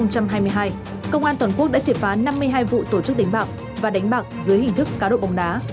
công an toàn quốc đã triệt phá năm mươi hai vụ tổ chức đánh bạc và đánh bạc dưới hình thức cá độ bóng đá